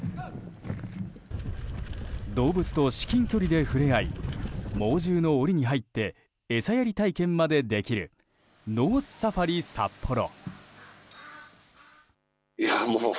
動物と至近距離で触れ合い猛獣の檻に入って餌やり体験までできるノースサファリサッポロ。